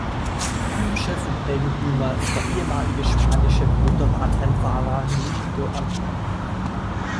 Teamchef und -eigentümer ist der ehemalige spanische Motorradrennfahrer Luis d’Antin.